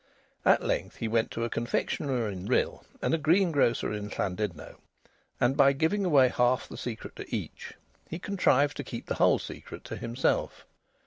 At length he went to a confectioner in Rhyl and a greengrocer in Llandudno, and by giving away half the secret to each, he contrived to keep the whole secret to himself.